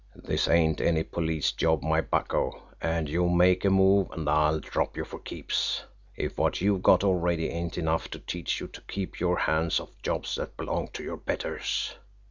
"This ain't any police job, my bucko, and you make a move and I'll drop you for keeps, if what you've got already ain't enough to teach you to keep your hands off jobs that belong to your betters!"